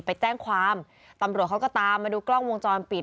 ไปแจ้งความตำรวจเขาก็ตามมาดูกล้องวงจรปิด